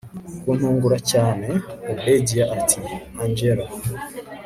kuntungura cyane obedia ati angella